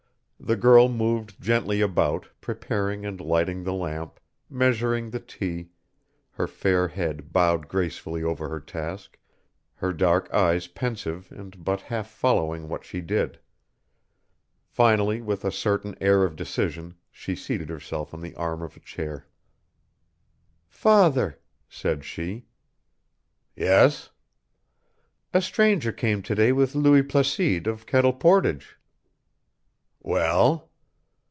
The girl moved gently about, preparing and lighting the lamp, measuring the tea, her fair head bowed gracefully over her task, her dark eyes pensive and but half following what she did. Finally with a certain air of decision she seated herself on the arm of a chair. "Father," said she. "Yes." "A stranger came to day with Louis Placide of Kettle Portage." "Well?"